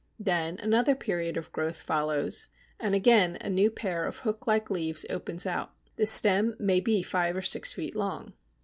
Then another period of growth follows, and again a new pair of hook like leaves opens out. The stem may be five or six feet long.